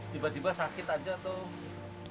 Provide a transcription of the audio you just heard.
tiba tiba sakit aja tuh